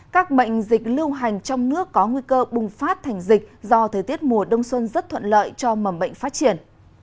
các bệnh dịch lưu hành trong nước có nguy cơ bùng phát thành dịch do thời tiết mùa đông xuân rất thuận lợi cho mầm bệnh phát triển